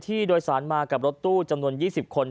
ผู้โดยสารมากับรถตู้จำนวน๒๐คน